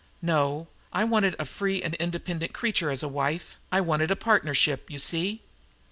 No, I wanted a free and independent creature as my wife; I wanted a partnership, you see.